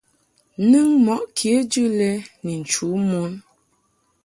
Nɨŋ mɔʼ kejɨ lɛ ni nchu mon.